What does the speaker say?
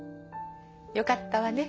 よかったわね